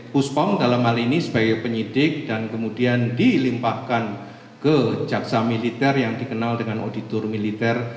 puspom dalam hal ini sebagai penyidik dan kemudian dilimpahkan ke jaksa militer yang dikenal dengan auditor militer